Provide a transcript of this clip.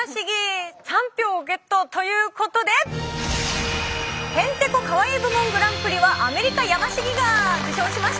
３票をゲットということでへんてこカワイイ部門グランプリはアメリカヤマシギが受賞しました。